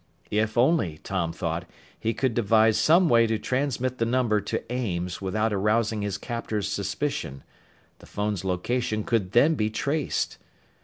If only, Tom thought, he could devise some way to transmit the number to Ames without arousing his captor's suspicion the phone's location could then be traced!